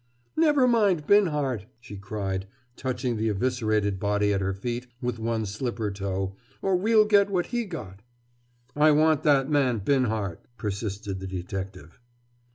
"Never mind Binhart," she cried, touching the eviscerated body at her feet with one slipper toe, "or we'll get what he got!" "I want that man Binhart!" persisted the detective.